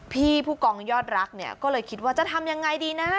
ผู้กองยอดรักเนี่ยก็เลยคิดว่าจะทำยังไงดีนะ